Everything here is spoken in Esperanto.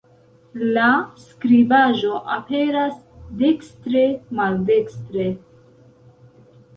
La skribaĵo aperas dekstre-maldestre.